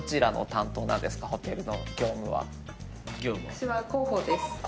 私は広報です。